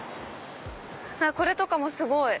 これとかもすごい！